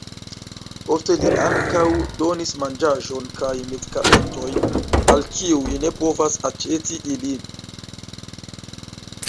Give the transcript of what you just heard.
Ofte li ankaŭ donis manĝaĵon kaj medikamentojn al kiuj ne povas aĉeti ilin.